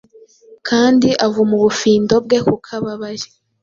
Kandi avuma ubufindo bwe kuko ababaye,